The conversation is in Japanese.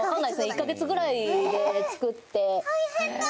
１か月ぐらいで作って大変だ！